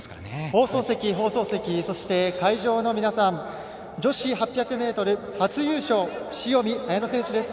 放送席、そして会場の皆さん女子８００ｍ初優勝、塩見綾乃選手です。